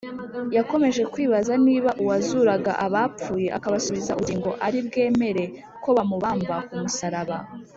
yakomeje kwibaza niba uwazuraga abapfuye akabasubiza ubugingo ari bwemere ko bamubamba ku musaraba?